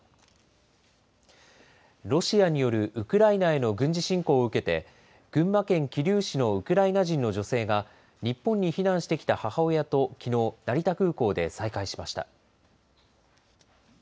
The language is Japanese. ロシアによるウクライナへの軍事侵攻を受けて、群馬県桐生市のウクライナ人の女性が、日本に避難してきた母親ときのう、成田空港で再会しました。